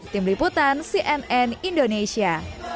tim liputan cnn indonesia